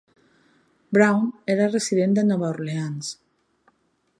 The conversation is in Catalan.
Brown era resident de Nova Orleans.